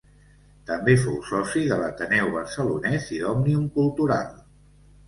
També fou soci de l'Ateneu Barcelonès i d'Òmnium Cultural.